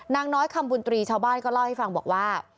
นางน้อยคำบุญตรีชาวบ้านก็เล่าให้ฟังบอกว่า